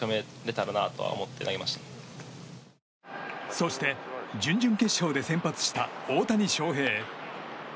そして、準々決勝で先発した大谷翔平。